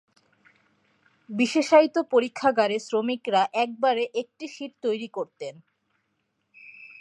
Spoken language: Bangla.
বিশেষায়িত পরীক্ষাগারে শ্রমিকরা একবারে একটি শিট তৈরী করতেন।